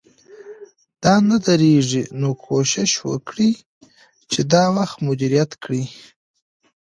دا نه درېږي، نو کوشش وکړئ چې دا وخت مدیریت کړئ